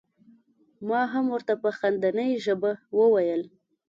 ما هم ور ته په خندنۍ ژبه وویل.